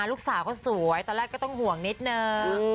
ลูกสาวก็สวยตอนแรกก็ต้องห่วงนิดนึง